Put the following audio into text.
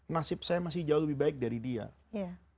nasib saya masih jauh lebih baik lagi dari itu